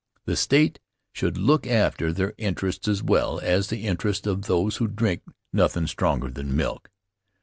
The State should look after their interests as well as the interests of those who drink nothin' stronger than milk.